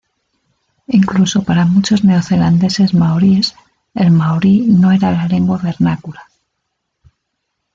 Incluso para muchos neozelandeses maoríes, el maorí no era la lengua vernácula.